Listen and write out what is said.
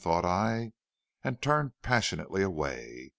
thought I, and turned passionately away.